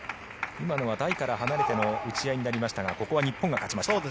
今のは台から離れての打ち合いになりましたがここは日本が勝ちました。